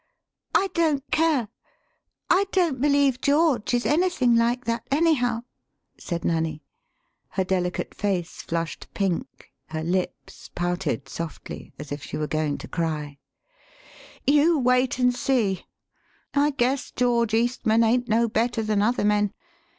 "I don't care; I don't believe George is any thing like that, anyhow," [said Nanny. Her delicate face flushed pink, her lips pouted softly, as if she were going to cry]. " You wait an' see. I guess George Eastman ain't no better than other men.